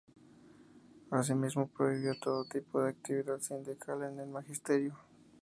Asimismo, prohibió todo tipo de actividad sindical en el magisterio.